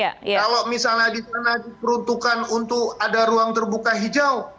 kalau misalnya di sana diperuntukkan untuk ada ruang terbuka hijau